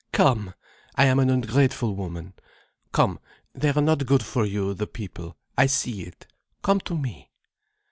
"Come, I am an ungrateful woman. Come, they are not good for you, the people, I see it. Come to me."